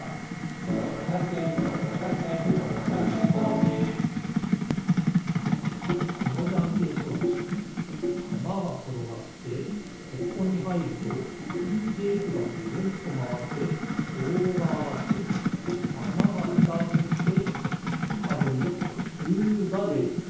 「ピタゴラじゃんけんピタゴラじゃんけん」「ピタゴラじゃんけん装置」このじゃんけん装置たまがころがってここにはいるとテープがぐるんとまわってぼうがあがってたまがスタートしてたぶんグーがでる。